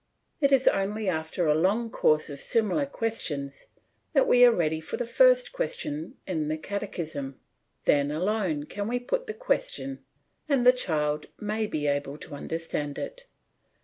It is only after a long course of similar questions that we are ready for the first question in the catechism; then alone can we put the question and the child may be able to understand it.